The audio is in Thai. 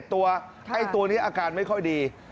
ตัวนี้อาการไม่ค่อยดี